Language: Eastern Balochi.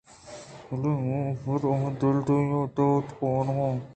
بلے۔ من ابرار آں ءُ دھمی تبک ءَ وانگ ءَ آں۔